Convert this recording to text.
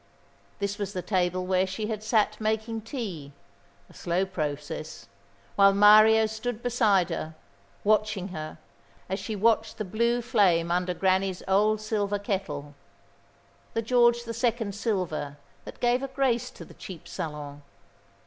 This was the table where she had sat making tea, a slow process, while Mario stood beside her, watching her, as she watched the blue flame under Granny's old silver kettle, the George the Second silver that gave a grace to the cheap salon.